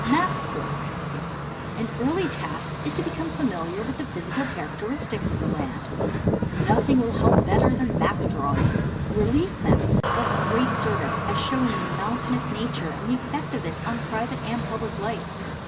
Map Work. An early task is to become familiar with the physical characteristics of the land. Nothing will help better than map drawing. Relief maps are of great service as showing the mountainous nature and the effect of this on private and public life.